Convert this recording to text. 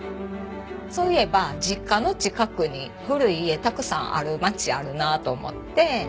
そういえば実家の近くに古い家たくさんある町あるなと思って。